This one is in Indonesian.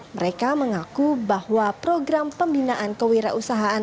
mereka mengaku bahwa program pembinaan kewirausahaan